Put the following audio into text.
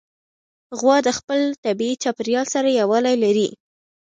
غوا د خپل طبیعي چاپېریال سره یووالی لري.